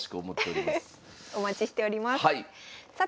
お待ちしております。